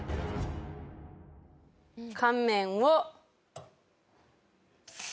乾麺を。